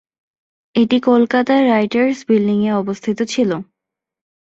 এটি কলকাতার রাইটার্স বিল্ডিং-এ অবস্থিত ছিল।